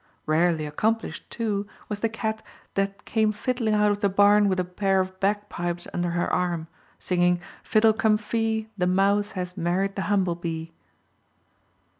Rarely accomplished too was the cat that came fiddling out of the barn with a pair of bagpipes under her arm, singing "Fiddle cum fee, the mouse has married the humble bee."